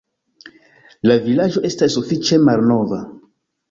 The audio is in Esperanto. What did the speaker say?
La vilaĝo estas sufiĉe malnova.